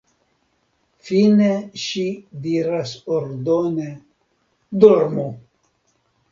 Fine ŝi diras ordone: Dormu!